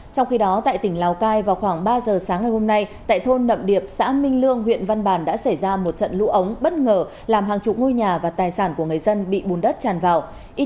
trong khi đó tại tỉnh lào cai vào khoảng ba giờ sáng ngày hôm nay tại thôn nậm điệp xã minh lương huyện văn bàn đã xảy ra một trận lũ ống bất ngờ làm hàng chục ngôi nhà và tài sản của người dân bị bùn đất tràn vào